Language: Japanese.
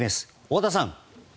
太田さん。